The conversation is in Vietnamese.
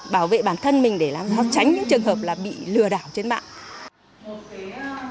bảo vệ bản thân mình để làm sao tránh những trường hợp là bị lừa đảo trên mạng